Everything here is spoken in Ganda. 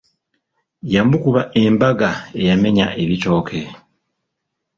Yamukuba embaga eyamenya ebitooke.